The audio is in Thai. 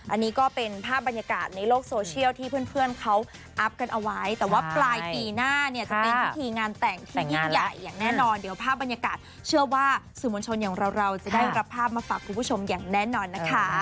อันนี้ก็เป็นภาพบรรยากาศในโลกโซเชียลที่เพื่อนเขาอัพกันเอาไว้แต่ว่าปลายปีหน้าเนี่ยจะเป็นพิธีงานแต่งที่ยิ่งใหญ่อย่างแน่นอนเดี๋ยวภาพบรรยากาศเชื่อว่าสื่อมวลชนอย่างเราเราจะได้รับภาพมาฝากคุณผู้ชมอย่างแน่นอนนะคะ